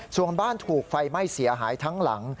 ส่วนบ้านถูกไฟไหม้เสียหายทั้งหลัง